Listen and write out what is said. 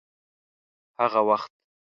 هغه وخت